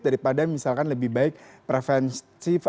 daripada misalkan lebih baik preventif